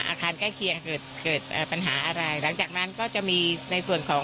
อาคารใกล้เคียงเกิดเกิดปัญหาอะไรหลังจากนั้นก็จะมีในส่วนของ